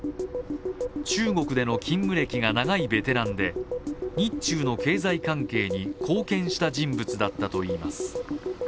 中国での勤務歴が長いベテランで、日中の経済関係に貢献した人物だったといいます。